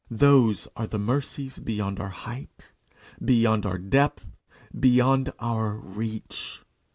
Those are the mercies beyond our height, beyond our depth, beyond our reach.